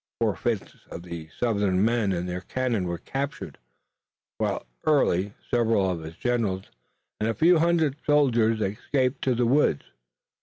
Four fifths of the Southern men and their cannon were captured, while Early, several of his generals and a few hundred soldiers escaped to the woods.